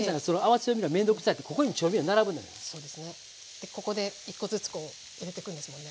でここで１個ずつこう入れていくんですもんね。